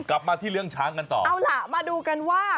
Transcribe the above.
กลับมาที่เรื่องช้างกันต่อเอาล่ะมาดูกันว่า